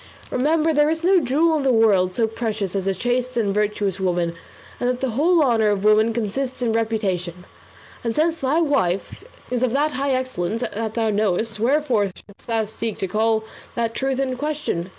Remember there is no jewel in the world so precious as a chaste and virtuous woman, and that the whole honour of women consists in reputation; and since thy wife's is of that high excellence that thou knowest, wherefore shouldst thou seek to call that truth in question?